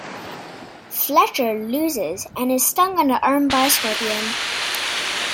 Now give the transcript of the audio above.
Fletcher loses and is stung on the arm by a scorpion.